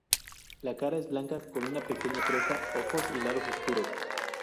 La cara es blanca con una pequeña cresta, ojos y lados oscuros.